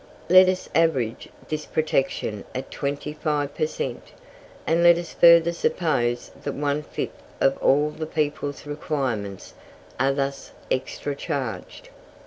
Let us average this protection at 25 per cent, and let us further suppose that one fifth of all the people's requirements are thus extra charged.